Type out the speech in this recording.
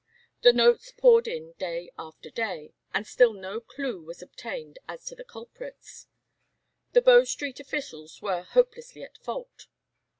The notes poured in day after day, and still no clue was obtained as to the culprits. The Bow Street officials were hopelessly at fault.